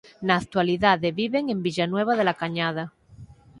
Na actualidade vive en Villanueva de la Cañada.